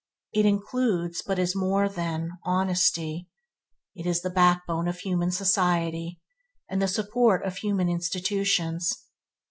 It includes, but is more than, honesty. It is the backbone of human society, and the support of human institutions.